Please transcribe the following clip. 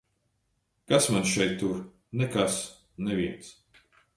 Kas mani šeit tur? Nekas. Neviens.